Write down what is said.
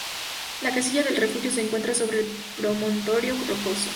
La casilla del refugio se encuentra sobre un promontorio rocoso.